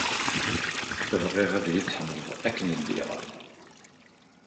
Bɣiɣ ad yi-tḥemmleḍ akken lliɣ.